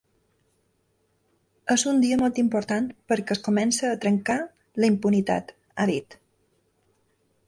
És ‘un dia molt important perquè es comença a trencar la impunitat’, ha dit.